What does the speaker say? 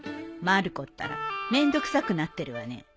まる子ったらめんどくさくなってるわね